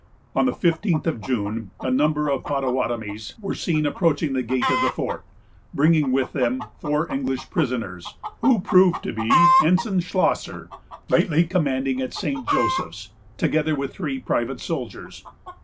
On the fifteenth of June, a number of Pottawattamies were seen approaching the gate of the fort, bringing with them four English prisoners, who proved to be Ensign Schlosser, lately commanding at St. Joseph's, together with three private soldiers.